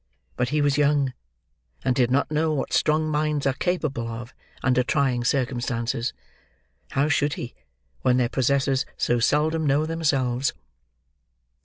But he was young, and did not know what strong minds are capable of, under trying circumstances. How should he, when their possessors so seldom know themselves?